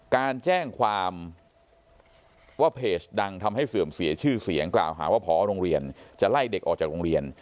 การแจ้งความว่าเพจดังทำให้เสื่อมเสียชื่อเสียงกล่าวหาว่าพอโรงเรียนจะไล่เด็กออกจากโรงเรียน